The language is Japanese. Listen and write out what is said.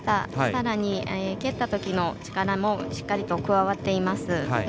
さらに蹴ったときの力もしっかりと加わっています。